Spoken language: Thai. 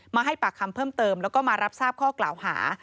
มาให้ปากคำเพิ่มเติมแล้วก็มารับทราบข้อกล่าวหา